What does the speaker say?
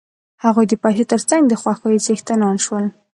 هغوی د پیسو تر څنګ د خوښیو څښتنان شول